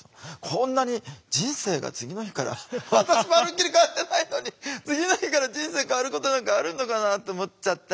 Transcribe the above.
こんなに人生が次の日から私まるっきり変わってないのに次の日から人生変わることなんかあるのかなと思っちゃって。